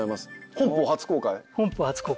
本邦初公開。